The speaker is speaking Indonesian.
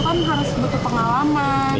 kan harus butuh pengalaman